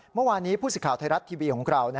เมื่อวานนี้ผู้สิทธิ์ไทยรัฐทีวีของเรา